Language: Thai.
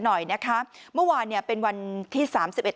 จริย์กันหน่อยนะคะเมื่อวานเนี่ยเป็นวันที๓๑ธันวาคมวันสิ้นปี